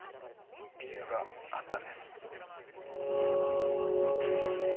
理由があったんです。